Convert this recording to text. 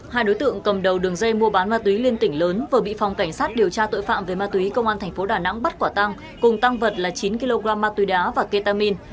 hai đối tượng cầm đầu đường dây mua bán ma túy liên tỉnh lớn vừa bị phòng cảnh sát điều tra tội phạm về ma túy công an thành phố đà nẵng bắt quả tăng cùng tăng vật là chín kg ma túy đá và ketamin